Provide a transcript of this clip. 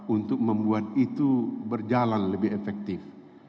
untuk membuat itu berjalan lebih efektif